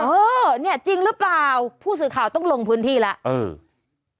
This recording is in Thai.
เออเนี่ยจริงหรือเปล่าผู้สื่อข่าวต้องลงพื้นที่แล้วเออ